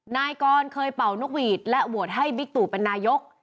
นายกรเคยเป่านกหวีดและโหวตให้บิ๊กตู่เป็นนายก